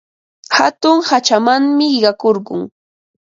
Hatun hachamanmi qiqakurqun.